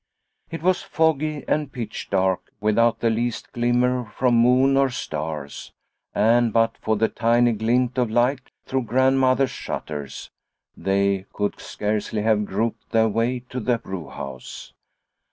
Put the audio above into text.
It was foggy and pitch dark, without the least glimmer from moon or stars, and, but for the tiny glint of light through Grandmother's shutters, they could scarcely have groped their way to the brew house.